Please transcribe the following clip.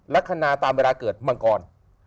ลักษณะตามเวลาเกิดมังกร